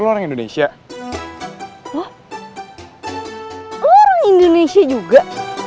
lu orang indonesia indonesia juga